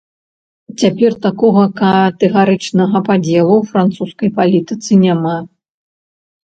Цяпер такога катэгарычнага падзелу ў французскай палітыцы няма.